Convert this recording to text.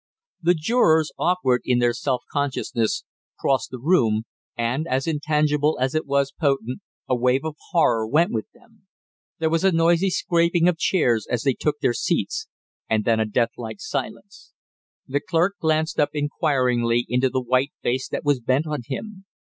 The jurors, awkward in their self consciousness, crossed the room and, as intangible as it was potent, a wave of horror went with them. There was a noisy scraping of chairs as they took their seats, and then a deathlike silence. The clerk glanced up inquiringly into the white face that was bent on him.